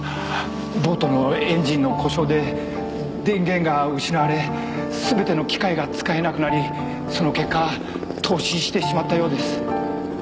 ボートのエンジンの故障で電源が失われ全ての機械が使えなくなりその結果凍死してしまったようです。